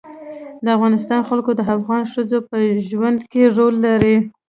د افغانستان جلکو د افغان ښځو په ژوند کې رول لري.